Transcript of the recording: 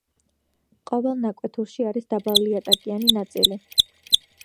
ყოველ ნაკვეთურში არის დაბალიატაკიანი ნაწილი.